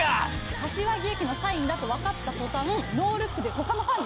柏木由紀のサインだとわかった途端ノールックで他のファンに！